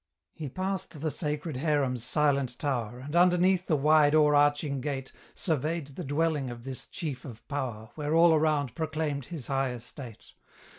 He passed the sacred harem's silent tower, And underneath the wide o'erarching gate Surveyed the dwelling of this chief of power Where all around proclaimed his high estate.